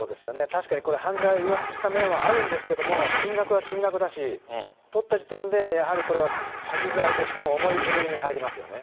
確かにこれ、犯罪を誘発した面はあるんですけども、金額は金額だし、とった時点でやっぱりこれは詐欺罪としても重い部類に入りますよ